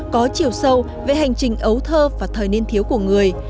có chiều sâu về hành trình ấu thơ và thời niên thiếu của người